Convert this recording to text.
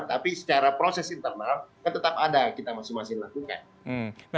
tapi secara proses internal kan tetap ada kita masing masing lakukan